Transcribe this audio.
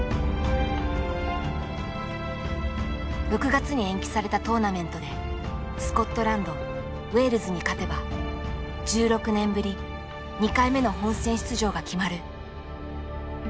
６月に延期されたトーナメントでスコットランドウェールズに勝てば１６年ぶり２回目の本戦出場が決まる。